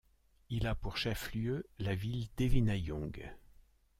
Il a pour chef-lieu la ville d'Evinayong.